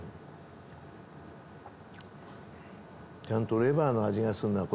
ちゃんとレバーの味がする。